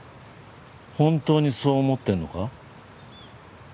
本当にそう思ってんのか？